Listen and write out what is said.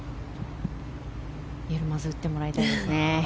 まず打ってもらいたいですね。